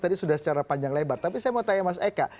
tadi sudah secara panjang lebar tapi saya mau tanya mas eka